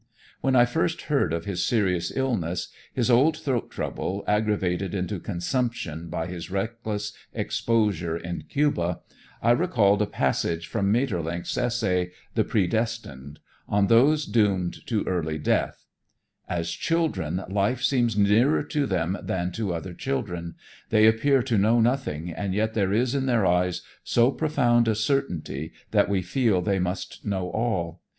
When I first heard of his serious illness, his old throat trouble aggravated into consumption by his reckless exposure in Cuba, I recalled a passage from Maeterlinck's essay, "The Pre Destined," on those doomed to early death: "As children, life seems nearer to them than to other children. They appear to know nothing, and yet there is in their eyes so profound a certainty that we feel they must know all.